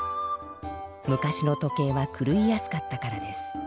昔の時計はくるいやすかったからです。